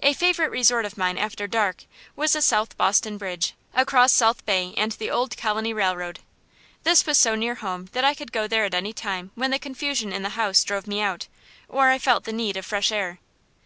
A favorite resort of mine, after dark, was the South Boston Bridge, across South Bay and the Old Colony Railroad. This was so near home that I could go there at any time when the confusion in the house drove me out, or I felt the need of fresh air.